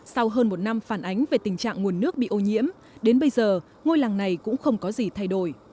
sau hơn một năm phản ánh về tình trạng nguồn nước bị ô nhiễm đến bây giờ ngôi làng này cũng không có gì thay đổi